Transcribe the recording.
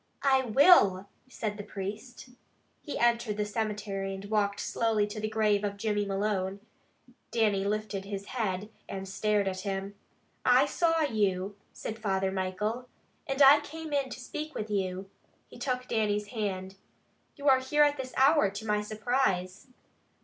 "I will!" said the priest. He entered the cemetery, and walked slowly to the grave of Jimmy Malone. Dannie lifted his head, and stared at him. "I saw you," said Father Michael, "and I came in to speak with you." He took Dannie's hand. "You are here at this hour to my surprise."